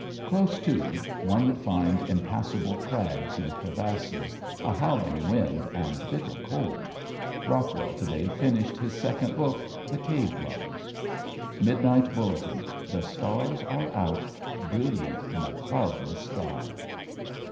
Close to, one would find impassable crags and crevasses, a howling wind and bitter cold. Rockwell to day finished his second book, "The Cave Dwellers." Midnight Bulletin: the stars are out, brilliant in a cloudless sky!